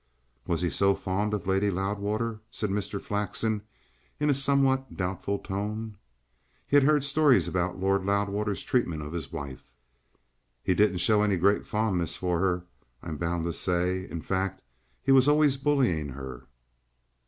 "Was he so fond of Lady Loudwater?" said Mr. Flexen in a somewhat doubtful tone. He had heard stories about Lord Loudwater's treatment of his wife. "He didn't show any great fondness for her, I'm bound to say. In fact, he was always bullying her.